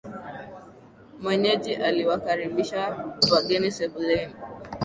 Mwenyeji aliwakaribisha wageni sebuleni